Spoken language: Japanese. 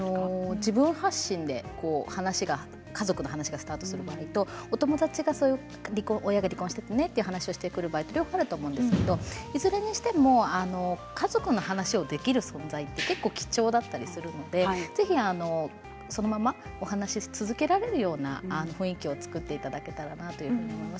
自分発信で家族の話がスタートするとお友達が親が離婚しているねっていう話をしてくる場合と両方あると思うんですけれどいずれにしても家族の話をできる存在は結構、貴重だったりするのでそのままお話を続けられるような雰囲気を作っていただけたらなと思います。